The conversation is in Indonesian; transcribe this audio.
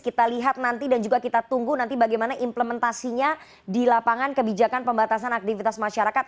kita lihat nanti dan juga kita tunggu nanti bagaimana implementasinya di lapangan kebijakan pembatasan aktivitas masyarakat